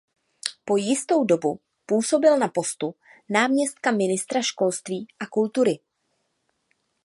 Po jistou dobu působil na postu náměstka ministra školství a kultury.